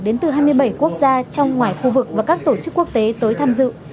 đến từ hai mươi bảy quốc gia trong ngoài khu vực và các tổ chức quốc tế tới tham dự